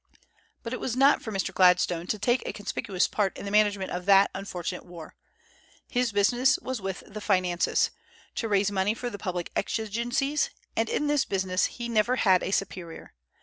But it was not for Mr. Gladstone to take a conspicuous part in the management of that unfortunate war. His business was with the finances, to raise money for the public exigencies; and in this business he never had a superior.